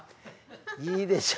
いいでしょ？